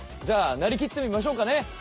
じゃあなりきってみましょうかね！